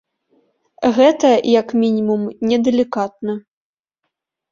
Гэта, як мінімум, не далікатна.